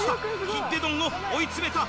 ひっで丼を追い詰めた！